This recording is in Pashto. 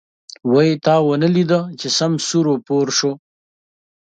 وی تا ونه ليده چې سم سور و پور شو.